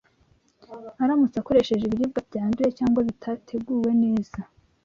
aramutse akoresheje ibiribwa byanduye cyangwa bitateguwe neza